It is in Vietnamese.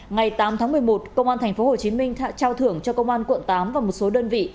ngày tám tháng một mươi một công an tp hcm đã trao thưởng cho công an quận tám và một số đơn vị